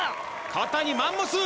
肩にマンモス！